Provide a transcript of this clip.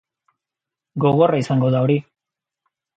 Gogorra izango da hori.